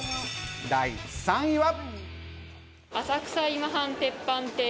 第３位は。